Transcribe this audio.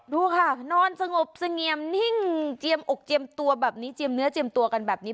ดูค่ะนอนสงบเสงี่ยมนิ่งเจียมอกเจียมตัวแบบนี้เจียมเนื้อเจียมตัวกันแบบนี้